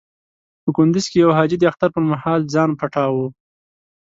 په کندز کې يو حاجي د اختر پر مهال ځان پټاوه.